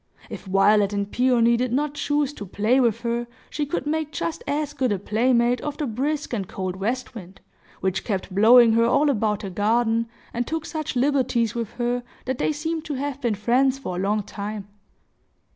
If Violet and Peony did not choose to play with her, she could make just as good a playmate of the brisk and cold west wind, which kept blowing her all about the garden, and took such liberties with her, that they seemed to have been friends for a long time.